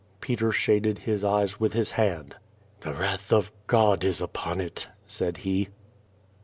Peter shaded his eyes with his hand. "The wrath of God is upon it," said he.